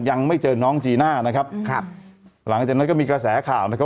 ยังไม่เจอน้องจีน่านะครับครับหลังจากนั้นก็มีกระแสข่าวนะครับ